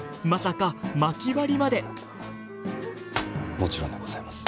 もちろんでございます。